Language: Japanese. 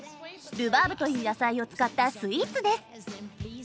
ルバーブという野菜を使ったスイーツです！